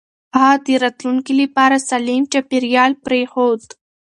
هغه د راتلونکي لپاره سالم چاپېريال پرېښود.